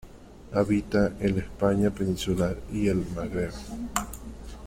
Habita en la España peninsular y el Magreb.